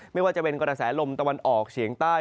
ไม่ว่าจะเป็นกระแสลมตะวันออกเฉียงใต้